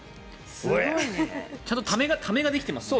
ちゃんとためができてますね。